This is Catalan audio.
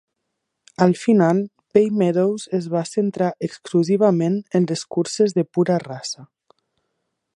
Al final, Bay Meadows es va centrar exclusivament en les curses de pura raça.